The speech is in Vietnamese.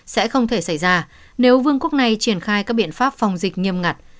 sẽ không thể xảy ra nếu vương quốc này triển khai các biện pháp phòng dịch nghiêm ngặt